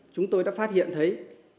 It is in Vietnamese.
chúng tôi đã phát hiện thấy